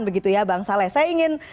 begitu ya bang saleh saya ingin